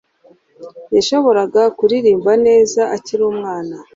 Yashoboraga kuririmba neza akiri umwana.